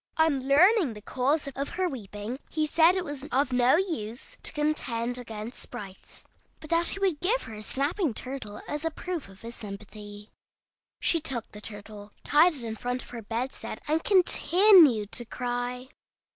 On learning the cause of her weeping, he said it was of no use to contend against sprites, but that he would give her his snapping turtle as a proof, of his sympathy. She took the turtle, tied it in front of her bedstead, and continued to cry.